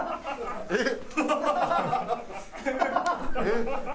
えっ！